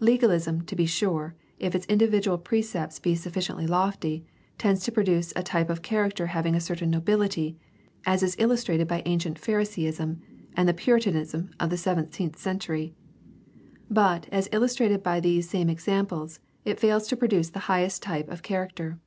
Legalism, to be sure, if its individual precepts be suffi ciently lofty, tends to produce a type of character having a certain nobility, as is illustrated in ancient Phariseeism and the Puritanism of the seventeenth century. But, as illustrated by these same examples, it fails to produce the highest type of character.